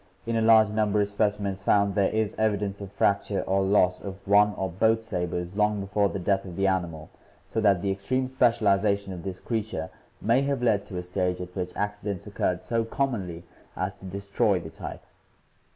... In a large number of specimens found there is evidence of fracture or loss of one [see Plate XX] or both sabers long before the death of the animal, so that the extreme specialization of this creature may have led to a stage at which accidents occurred so commonly as to destroy the type."